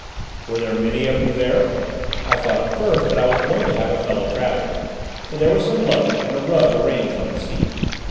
"Were there many of you there?" "I thought at first that I was going to have a fellow traveller, for there was some luggage and a rug arranged on the seat.